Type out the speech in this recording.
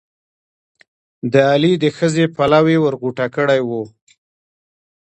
د علي د ښځې پلو یې ور غوټه کړی وو.